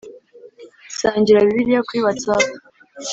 Sangira bibliya kuri Whatsapp